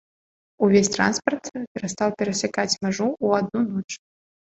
Увесь транспарт перастаў перасякаць мяжу ў адну ноч.